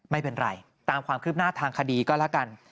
ไม่เป็นไรตามความคืบหน้าทางคดีก็แล้วกัน